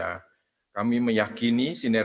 akan mengubah sebesar dua bilion dolar